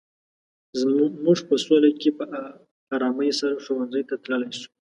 موږ په سوله کې په ارامۍ سره ښوونځي ته تلای شو.